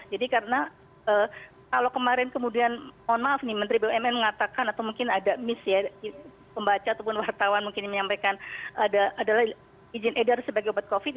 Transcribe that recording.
jadi karena kalau kemarin kemudian mohon maaf nih menteri bumn mengatakan atau mungkin ada miss ya pembaca ataupun wartawan mungkin menyampaikan adalah izin edar sebagai obat covid